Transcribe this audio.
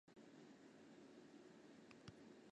蔡振南辗转到大哥经营的帽子工厂做临时工。